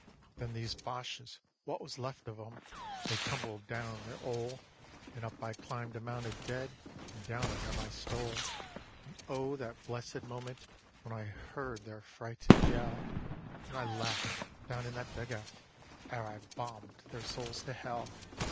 Then these Boches, wot was left of 'em, they tumbled down their 'ole, And up I climbed a mound of dead, and down on them I stole. And oh that blessed moment when I heard their frightened yell, And I laughed down in that dug out, ere I bombed their souls to hell.